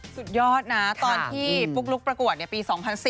สุดยอดนะตอนที่ปุ๊กลุ๊กประกวดปี๒๐๑๐